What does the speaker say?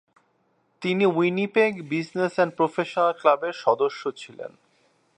তিনি Winnipeg business and professional ক্লাবের সদস্য ছিলেন।